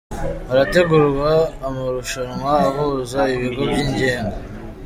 Harategurwa amarushanwa ahuza ibigo byigenga